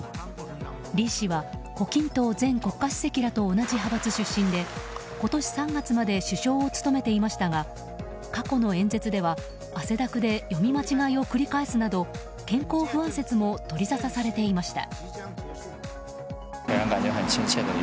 李氏は胡錦涛前国家主席らと同じ派閥出身で今年３月まで首相を務めていましたが過去の演説では汗だくで読み間違いを繰り返すなど健康不安説も取りざたされていました。